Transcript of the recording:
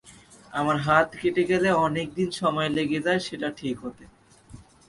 আমার হাত কেটে গেলে অনেকদিন সময় লেগে যায় সেটা ঠিক হতে।